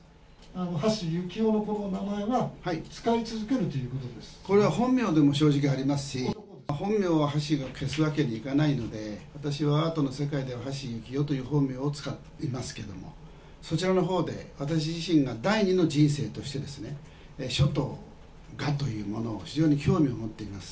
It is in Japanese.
橋幸夫の名前は使い続けるとこれは本名でも正直ありますし、本名は橋幸夫、消すわけにいかないので、私はアートの世界では本名の橋幸夫という本名を使いますけれども、そちらのほうで、私自身が第２の人生として、書と絵というものを非常に興味を持っていますし。